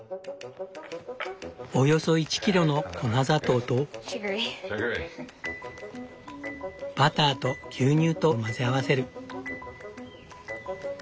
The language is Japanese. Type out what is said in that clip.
およそ１キロの粉砂糖とバターと牛乳と混ぜ合わせる。